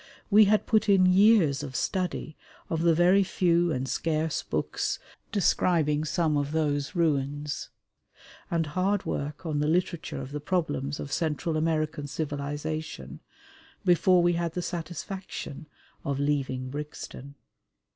We had put in years of study of the very few and scarce books describing some of those ruins, and hard work on the literature of the problems of Central American civilisation, before we had the satisfaction of "leaving Brixton."